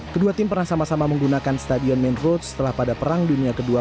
kedua tim pernah sama sama menggunakan stadion main road setelah pada perang dunia kedua